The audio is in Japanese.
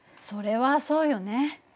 それはそうよね。